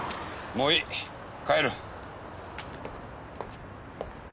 もういい帰る。